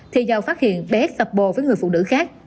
thì giào phát hiện bé thập bồ với người phụ nữ khác